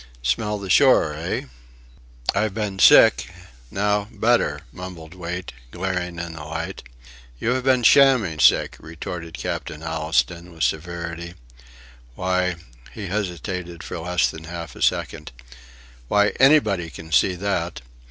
Smell the shore, hey?" "I've been sick... now better," mumbled Wait, glaring in the light. "You have been shamming sick," retorted Captain Allistoun with severity; "Why..." he hesitated for less than half a second. "Why, anybody can see that.